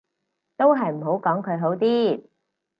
都係唔好講佢好啲